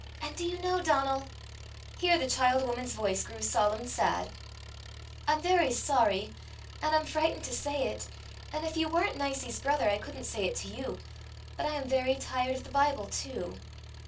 And, do you know, Donal!" Here the child woman's voice grew solemn sad " I'm very sorry, and I'm frightened to say it; and if you weren't Nicie's brother, I couldn't say it to you; but I am very tired of the Bible too."